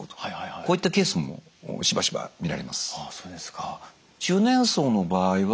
こういったケースもしばしば見られます。